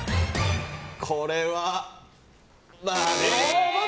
これは、×。